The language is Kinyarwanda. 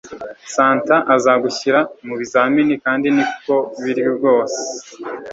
Santa azagushyira mubizamini kandi niko biri rwose